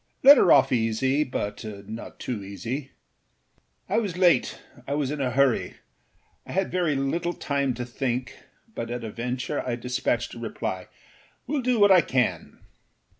Let her off easy, but not too easy.â I was late; I was in a hurry; I had very little time to think, but at a venture I dispatched a reply: âWill do what I can.